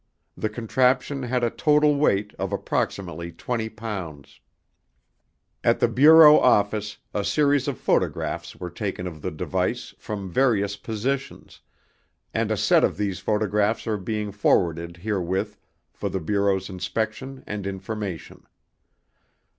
The contraption had a total weight of approximately 20 pounds. At the Bureau Office a series of photographs were taken of the device from various positions, and a set of these photographs are being forwarded herewith for the Bureau's inspection and information.